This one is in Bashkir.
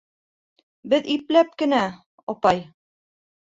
- Беҙ ипләп кенә, апай...